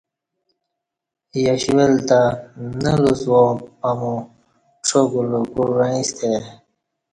یش ول تں نہ لوس واں پمو ڄاکولہ کو وعیں ستہ ا ی